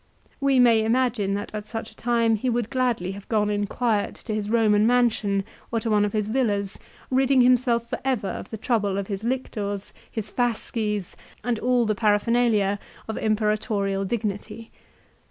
We may imagine that at such a time he would gladly have gone in quiet to his Roman mansion or to one of his villas, ridding himself for ever of the trouble of his lictors, his " fasces," and all the paraphernalia of imperatorial dignity.